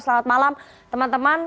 selamat malam teman teman